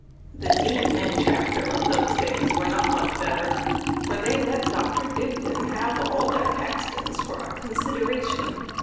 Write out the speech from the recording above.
The Dean and Chapter of those days were not much better, for they let Dr. Dibdin have all their Caxtons for a "consideration."